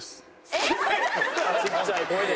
ちっちゃい声で。